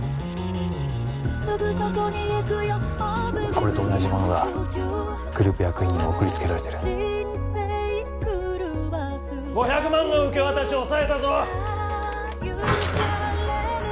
これと同じものがグループ役員に送りつけられてる５００万の受け渡し押さえたぞ！